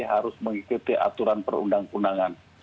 harus mengikuti aturan perundang undangan